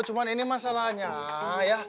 cuma ini masalahnya ya